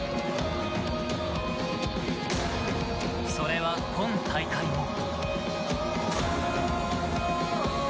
それは今大会も。